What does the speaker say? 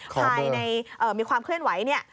ใครในมีความเคลื่อนไหวนี่